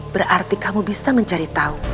berarti kamu bisa mencari tahu